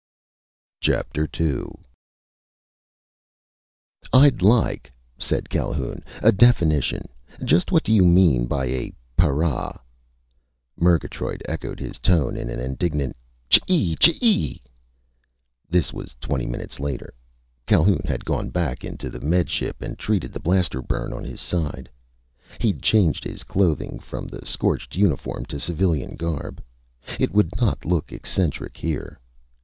II "I'd like," said Calhoun, "a definition. Just what do you mean by a para?" Murgatroyd echoed his tone in an indignant, "Chee chee!" This was twenty minutes later. Calhoun had gone back into the Med Ship and treated the blaster burn on his side. He'd changed his clothing from the scorched uniform to civilian garb. It would not look eccentric here.